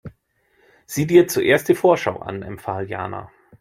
Sieh dir zuerst die Vorschau an, empfahl Jana.